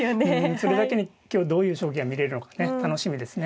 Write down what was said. それだけに今日どういう将棋が見れるのかね楽しみですね。